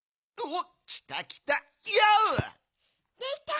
おっきたきた。